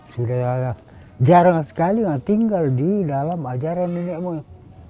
sudah jarang sekali tinggal di dalam ajaran nenek moyang